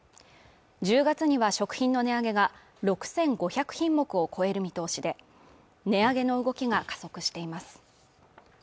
１０月には食品の値上げが６５００品目を超える見通しで値上げの動きが加速しています